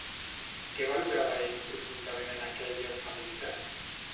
Què valorava ell profundament en aquelles feminitats?